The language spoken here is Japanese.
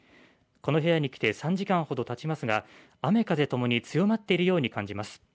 この部屋に来て３時間ほどたちますが雨風ともに強まっているように感じます。